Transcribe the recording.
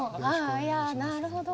あいやなるほど。